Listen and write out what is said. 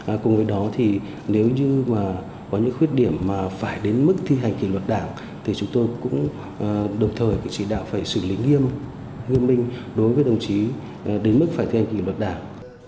nếu như có những thiếu sót khuyết điểm mà phải đến mức thi hành kỷ luật đảng thì chúng tôi cũng đồng thời chỉ đạo phải xử lý nghiêm minh đối với đồng chí đến mức phải thi hành kỷ luật đảng